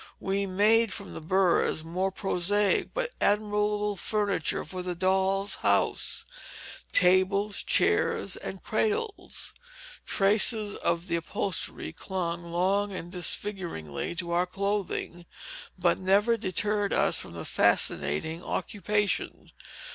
We made from burs more prosaic but admirable furniture for the dolls' house, tables, chairs, and cradles: Traces of the upholstery clung long and disfiguringly to our clothing, but never deterred us from the fascinating occupation.